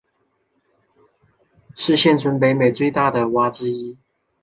是现存北美的最大的蛙之一。